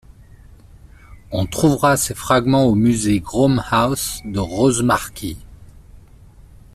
On trouvera ces fragments au musée Groam House de Rosemarkie.